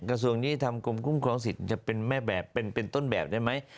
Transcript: กระทรวงยุติธรรมกรมคุ้มครองสิทธิ์จะเป็นแม่แบบเป็นต้นแบบได้ไหม